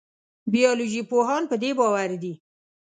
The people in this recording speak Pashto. بیولوژي پوهان په دې باور دي.